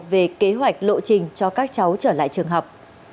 về kế hoạch lộ trình cho các cháu trở lại trường học